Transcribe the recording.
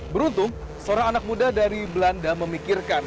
beruntung seorang anak muda dari belanda memikirkan